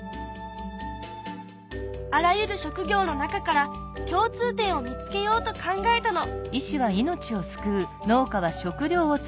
あらゆる職業の中から共通点を見つけようと考えたの。